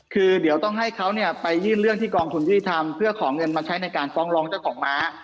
คือเดี๋ยวต้องให้เขาเนี่ยไปยื่นเรื่องที่กองทุนยุติธรรมเพื่อขอเงินมาใช้ในการฟ้องร้องเจ้าของม้า